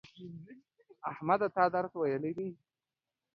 احمده تا درس ویلی